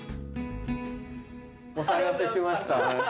お騒がせしました。